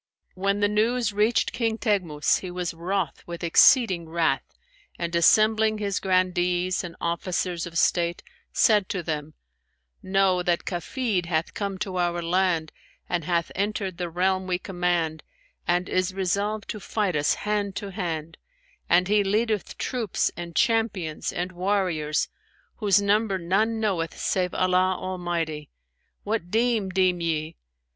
When the news reached King Teghmus, he was wroth with exceeding wrath and assembling his Grandees and officers of state, said to them 'Know that Kafid hath come to our land and hath entered the realm we command and is resolved to fight us hand to hand, and he leadeth troops and champions and warriors, whose number none knoweth save Allah Almighty; what deme deem ye?'